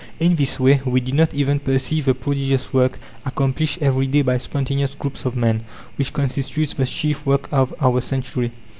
In this way we do not even perceive the prodigious work, accomplished every day by spontaneous groups of men, which constitutes the chief work of our century.